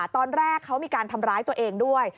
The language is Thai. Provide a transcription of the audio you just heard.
ตอนแรกเขามีการทำร้ายตัวเองด้วย